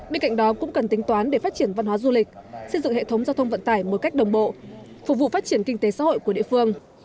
bên cạnh đó cũng cần tính toán để phát triển văn hóa du lịch xây dựng hệ thống giao thông vận tải một cách đồng bộ phục vụ phát triển kinh tế xã hội của địa phương